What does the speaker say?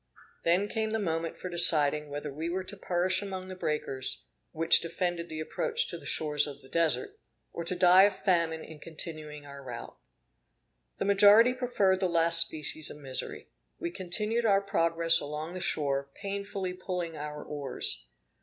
Then came the moment for deciding whether we were to perish among the breakers, which defended the approach to the shores of the Desert, or to die of famine in continuing our route. The majority preferred the last species of misery. We continued our progress along the shore, painfully pulling our oars.